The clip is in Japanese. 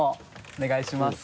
お願いします。